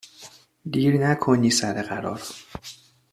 دیر نکنی سر قرار